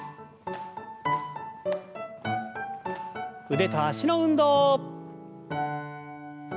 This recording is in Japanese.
腕と脚の運動。